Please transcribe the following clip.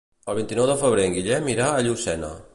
El vint-i-nou de febrer en Guillem irà a Llucena.